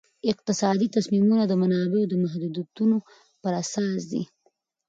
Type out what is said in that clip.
اقتصادي تصمیمونه د منابعو د محدودیتونو پر اساس دي.